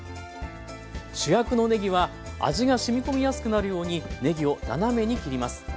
主役のねぎは味がしみこみやすくなるようにねぎを斜めに切ります。